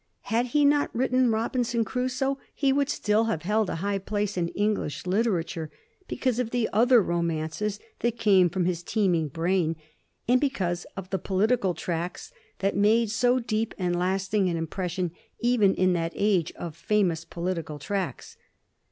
Had he not written " Robinson Crusoe " he would still have held a high place in English literature, because of the other romances that came from his teem ing brain, and because of the political tracts that made so deep and lasting an impression even in that age of famous political tracts.